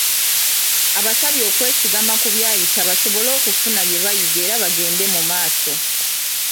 Abasabye okwesigama ku byayita basobole okufuna bye bayiga era bagende mu maaso.